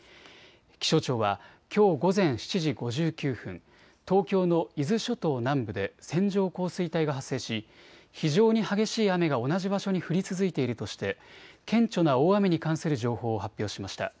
気象庁はきょう午前７時５９分、東京の伊豆諸島南部で線状降水帯が発生し非常に激しい雨が同じ場所に降り続いているとして顕著な大雨に関する情報を発表しました。